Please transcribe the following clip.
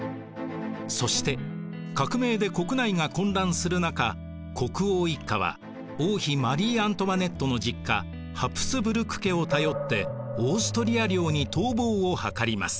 そして革命で国内が混乱する中国王一家は王妃マリー・アントワネットの実家ハプスブルク家を頼ってオーストリア領に逃亡をはかります。